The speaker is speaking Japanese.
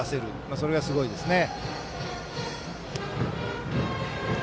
それがすごいですね。